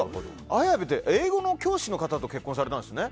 綾部って英語の教師の方と結婚されたんですね。